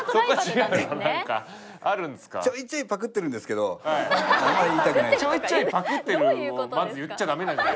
「ちょいちょいパクってる」をまず言っちゃダメなんじゃ。